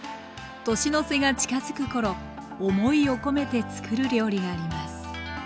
年の瀬が近づく頃思いを込めてつくる料理があります。